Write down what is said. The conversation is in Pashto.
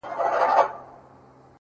• زه او ته به آخر دواړه جنتیان یو ,